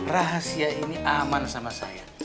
rahasia ini aman sama saya